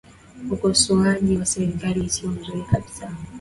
ukosoaji wa serikali siyo mzuri kabisa